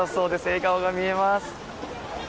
笑顔が見えます。